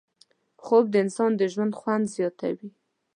خوب د انسان د ژوند خوند زیاتوي